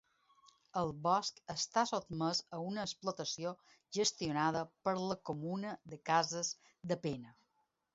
El bosc està sotmès a una explotació gestionada per la comuna de Cases de Pena.